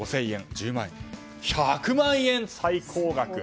１０万円、１００万円、最高額。